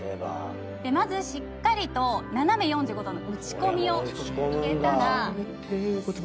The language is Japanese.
まずしっかりと斜め４５度のうちこみを入れたら少し反りながら。